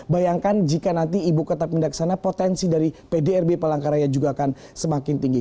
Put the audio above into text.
bayangkan jika nanti ibu kota pindah ke sana potensi dari pdrb palangkaraya juga akan semakin tinggi